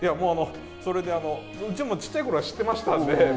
それでうちもちっちゃいころは知ってましたんで。